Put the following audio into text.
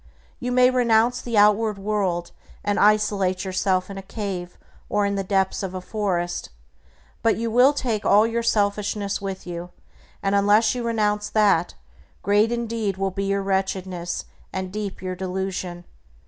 You may renounce the outward world, and isolate yourself in a cave or in the depths of a forest, but you will take all your selfishness with you, and unless you renounce that, great indeed will be your wretchedness and deep your delusion.